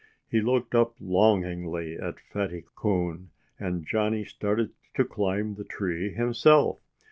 He looked up longingly at Fatty Coon. And Johnnie started to climb the tree himself.